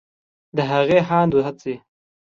د هغې هاند و هڅې